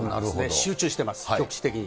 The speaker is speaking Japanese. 集中してます、局地的に。